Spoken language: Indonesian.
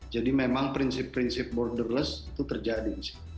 jadi memang prinsip prinsip borderless itu terjadi